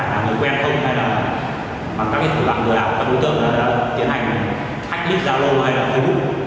mà người quen không hay là bằng các cái thủ đoạn lừa đảo của các đối tượng đó tiến hành hạch lít giao lô hay là facebook